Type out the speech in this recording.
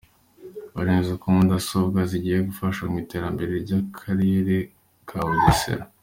Baremeza ko mudasobwa bahawe zigiye gufasha mu iterambere ry’Akarere kabugesera